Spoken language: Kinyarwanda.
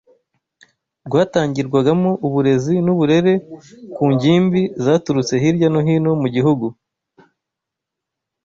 Ryatangirwagamo uburezi n’uburere ku ngimbi zaturutse hirya no hino mu gihugu